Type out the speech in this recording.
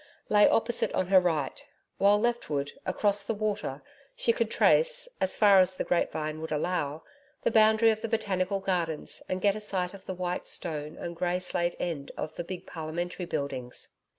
lay opposite on her right, while leftward, across the water, she could trace, as far as the grape vine would allow, the boundary of the Botanical Gardens and get a sight of the white stone and grey slate end of the big Parliamentary Buildings.